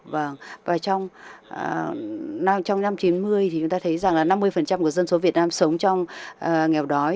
và trong năm chín mươi thì chúng ta thấy rằng là năm mươi của dân số việt nam sống trong nghèo đói